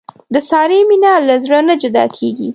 د سارې مینه له زړه نه جدا کېږي.